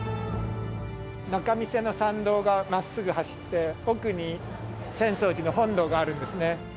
仲見世の参道がまっすぐ走って奥に浅草寺の本堂があるんですね。